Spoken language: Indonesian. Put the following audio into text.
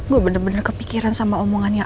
gue bener bener kepikiran sama omongannya